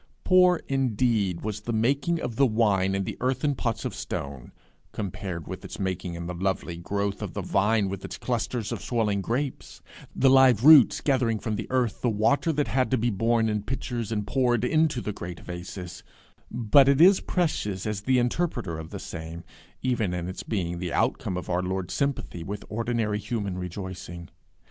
Poor, indeed, was the making of the wine in the earthen pots of stone, compared with its making in the lovely growth of the vine with its clusters of swelling grapes the live roots gathering from the earth the water that had to be borne in pitchers and poured into the great vases; but it is precious as the interpreter of the same, even in its being the outcome of our Lord's sympathy with ordinary human rejoicing.